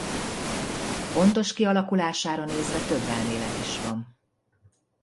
Pontos kialakulására nézve több elmélet is van.